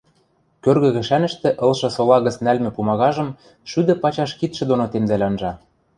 Кӧргӹ кӹшӓнӹштӹ ылшы сола гӹц нӓлмӹ пумагажым шӱдӹ пачаш кидшӹ доно темдӓл анжа...